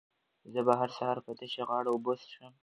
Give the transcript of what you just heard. زه هره ورځ سهار په تشه غاړه اوبه څښم.